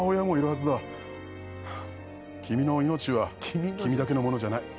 君の命は君だけのものじゃない。